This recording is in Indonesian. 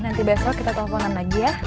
sampai besok kita telfonan lagi ya